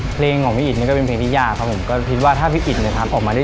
เพลงของพี่อิตนี่ก็เป็นเพลงที่ยากครับผมก็คิดว่าถ้าพี่อิดเนี่ยทำออกมาได้